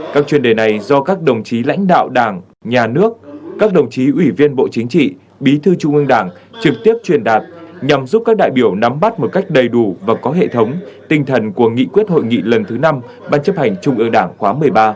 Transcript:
các chuyên đề này do các đồng chí lãnh đạo đảng nhà nước các đồng chí ủy viên bộ chính trị bí thư trung ương đảng trực tiếp truyền đạt nhằm giúp các đại biểu nắm bắt một cách đầy đủ và có hệ thống tinh thần của nghị quyết hội nghị lần thứ năm ban chấp hành trung ương đảng khóa một mươi ba